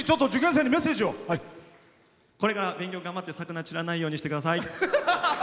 勉強頑張って桜、散らないようにしてください。